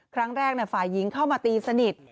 ครั้งแรกฝ่ายหญิงเข้ามาตีสนิท